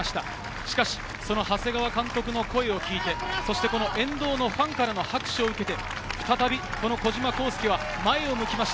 しかし長谷川監督の声を聞いて、沿道のファンからの拍手を受けて再び小島光佑は前を向きました。